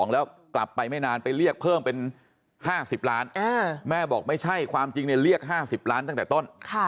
แล้วกลับไปไม่นานไปเรียกเพิ่มเป็น๕๐ล้านแม่บอกไม่ใช่ความจริงเรียก๕๐ล้านตั้งแต่ต้น